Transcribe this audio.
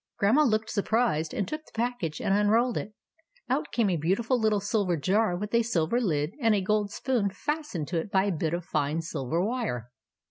Grandma looked surprised, and took the package and unrolled it. Out came a beau tiful little silver jar with a silver lid, and a I gold spoon fastened to it by a bit of fine I silver wire.